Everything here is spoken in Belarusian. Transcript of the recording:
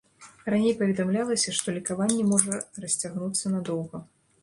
Раней паведамлялася, што лекаванне можа расцягнуцца надоўга.